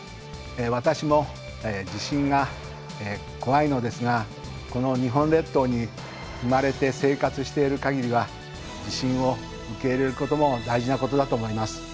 私も地震が怖いのですがこの日本列島に生まれて生活しているかぎりは地震を受け入れることも大事なことだと思います。